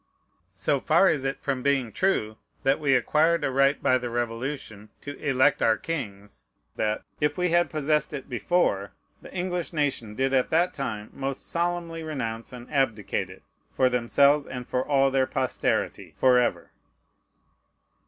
So far is it from being true that we acquired a right by the Revolution to elect our kings, that, if we had possessed it before, the English nation did at that time most solemnly renounce and abdicate it, for themselves, and for all their posterity forever.